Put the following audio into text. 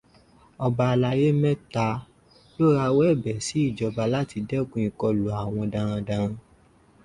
Ọba alayé mẹ́ta ló rawọ́ ẹ̀bẹ̀ sí ìjọba láti dẹ́kun ìkọlù àwọn daradaran